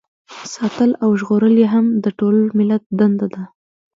ساتل او ژغورل یې هم د ټول ملت دنده ده.